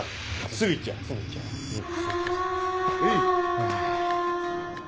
すぐ行っちゃおう。